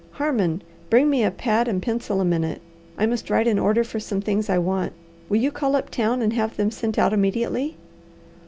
"Harmon, bring me a pad and pencil a minute, I must write an order for some things I want. Will you call up town and have them sent out immediately?"